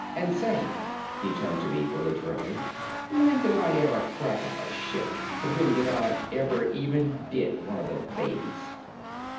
And say," he turned to me belligerently, "when did I ever crack up a ship? When did I ever even dent one of the babies?"